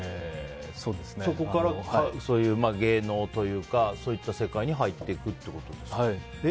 そこから芸能というかそういう世界に入っていくっていうことですか。